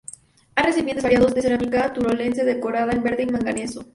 Hay recipientes variados de cerámica turolense decorada en verde y manganeso.